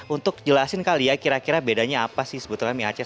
untuk jelasin kali ya kira kira bedanya apa sih sebetulnya mie aceh